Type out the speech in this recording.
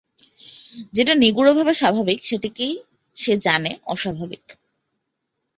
যেটা নিগূঢ়ভাবে স্বাভাবিক, সেইটিকেই সে জানে অস্বাভাবিক।